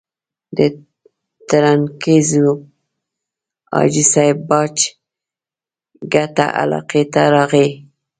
د ترنګزیو حاجي صاحب باج کټه علاقې ته راغی.